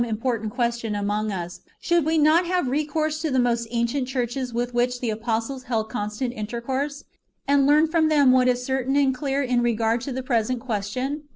Suppose there arise a dispute relative to some important question^ among us, should we not have recourse to the most ancient churches with vrhich the apostles held constant intercourse, and learn from them what is cer tain and clear in regard to the present question